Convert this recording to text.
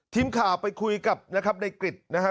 ทีมข่าวไปคุยกับนะครับในกฤทธิ์นะครับ